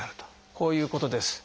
こういうことです。